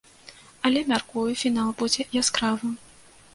Але, мяркую, фінал будзе яскравым.